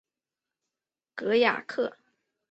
戈雅克。